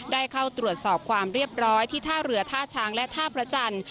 ได้เข้าตรวจสอบความเรียบร้อยที่ท่าเรือท่าช้างและท่าพระจันทร์